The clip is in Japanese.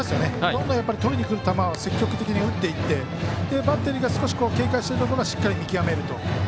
どんどんとりにくる球を積極的に打っていってバッテリーが警戒しているところはしっかり見極めると。